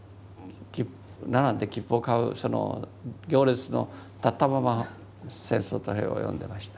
並んで切符を買うその行列の立ったまま「戦争と平和」を読んでました。